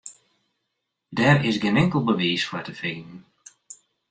Dêr is gjin inkeld bewiis foar te finen.